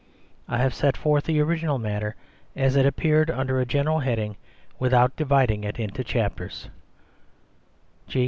I have set forth the original matter as it appeared, under a general heading, without dividing it into chapters.